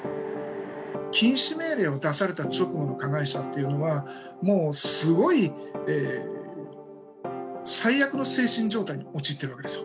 禁止命令を出された直後の加害者というのは、もうすごい最悪の精神状態に陥ってるわけですよ。